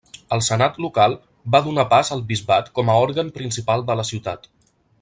El senat local va donar pas al bisbat com a òrgan principal de la ciutat.